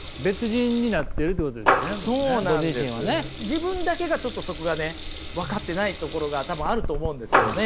自分だけがちょっとそこがね分かってないところが多分あると思うんですよね。